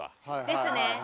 ですね。